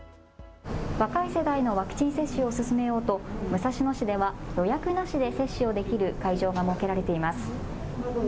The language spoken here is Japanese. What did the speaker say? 若い世代のワクチン接種を進めようと武蔵野市では予約なしで接種をできる会場が設けられています。